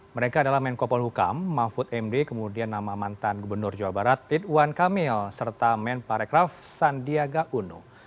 mereka adalah menkopol hukam mahfud md kemudian nama mantan gubernur jawa barat lidwan kamil serta menparekraf sandiaga uno